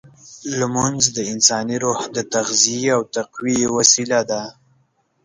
لمونځ د انساني روح د تغذیې او تقویې وسیله ده.